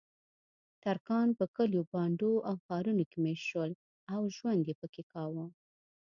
ترکان په کلیو، بانډو او ښارونو کې میشت شول او ژوند یې پکې کاوه.